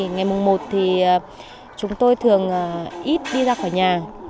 ngày mùng một thì chúng tôi thường ít đi ra khỏi nhà